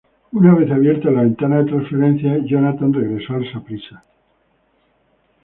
Una vez abierta la ventana de transferencias, Jonathan regresó al Saprissa.